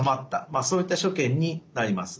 まあそういった所見になります。